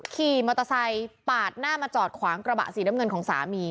ขี่มอเตอร์ไซค์ปาดหน้ามาจอดขวางกระบะสีน้ำเงินของสามี